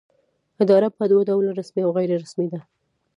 اداره په دوه ډوله رسمي او غیر رسمي ده.